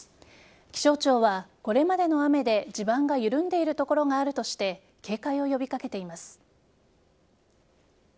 気象庁は、これまでの雨で地盤が緩んでいる所があるとして警戒を呼び掛けています。